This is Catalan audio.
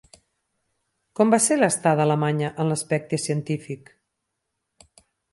Com va ser l'estada a Alemanya en l'aspecte científic?